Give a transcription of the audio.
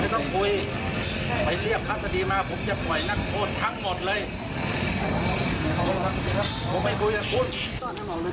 ต้องคุยไปเรียกทัศดีมาผมจะปล่อยนักโทษทั้งหมดเลย